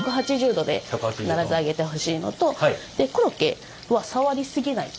１８０度で必ず揚げてほしいのとでコロッケは触りすぎない。